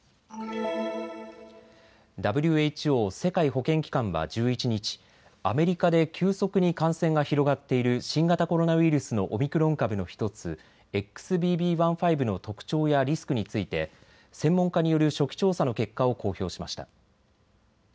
ＷＨＯ・世界保健機関は１１日、アメリカで急速に感染が広がっている新型コロナウイルスのオミクロン株の１つ、ＸＢＢ．１．５の特徴やリスクについて専門家による初期調査の結果を公表しました。